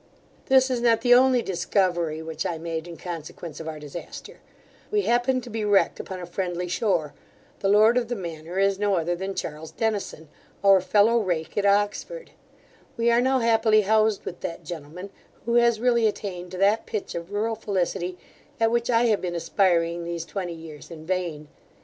This is not the only discovery which I made in consequence of our disaster We happened to be wrecked upon a friendly shore The lord of the manor is no other than Charles Dennison, our fellow rake at Oxford We are now happily housed with that gentleman, who has really attained to that pitch of rural felicity, at which I have been aspiring these twenty years in vain.